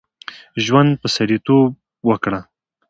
ژوند په سړیتوب وکړه.